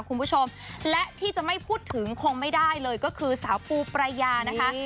คุณผู้ชมและที่จะไม่พูดถึงคงไม่ได้เลยก็คือสาวปูปรายานะคะ